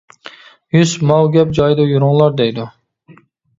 يۈسۈپ: ماۋۇ گەپ جايىدا يۈرۈڭلار، دەيدۇ.